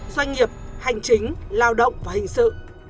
doanh nghiệp hành chính lao động và hình sự